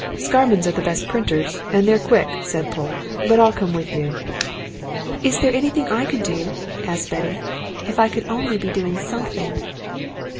"Scammonds are the best printers and they're quick," said Polke. "But I'll come with you." "Is there anything I can do?" asked Betty. "If I could only be doing something!"